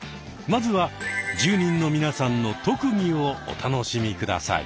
まずは住人の皆さんの特技をお楽しみ下さい。